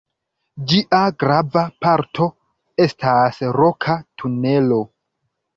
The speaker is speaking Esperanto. Ĝia grava parto estas Roka tunelo.